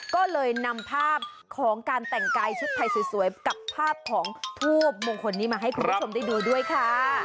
ก็เลยนำภาพของการแต่งกายชุดไทยสวยกับภาพของทูบมงคลนี้มาให้คุณผู้ชมได้ดูด้วยค่ะ